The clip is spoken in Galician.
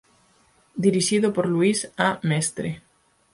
Dirixido por Luis A. Mestre.